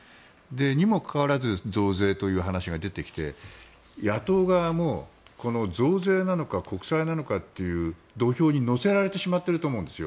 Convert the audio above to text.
にもかかわらず増税という話が出てきて野党側も増税なのか国債なのかという土俵に乗せられてしまっていると思うんですよ。